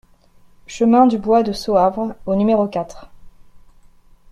Chemin du Bois de Soavre au numéro quatre